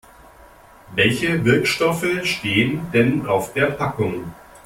Welche Wirkstoffe stehen denn auf der Packung?